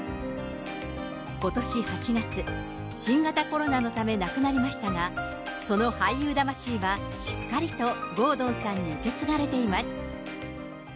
ことし８月、新型コロナのため亡くなりましたが、その俳優魂は、しっかりと郷敦さんに受け継がれています。